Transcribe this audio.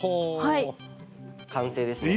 完成ですね。